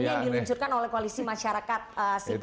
ini diluncurkan oleh koalisi masyarakat sipil di papua